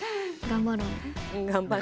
頑張ろうね。